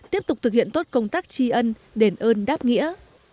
tiếp tục thực hiện tốt công tác tri ân đền ơn đáp nghĩa